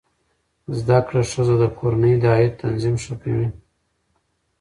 زده کړه ښځه د کورنۍ د عاید تنظیم ښه کوي.